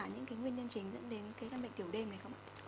những cái nguyên nhân chính dẫn đến cái căn bệnh tiểu đêm này không ạ